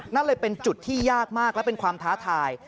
นั่นเลยเป็นจุดที่ยากมากและเป็นความท้าทาย